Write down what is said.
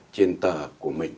trên tờ của mình